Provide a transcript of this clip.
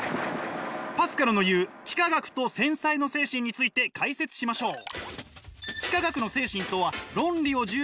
パスカルの言う幾何学と繊細の精神について解説しましょう！